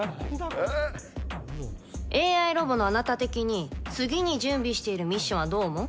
ＡＩロボのあなた的に次に用意しているミッションはどう思う？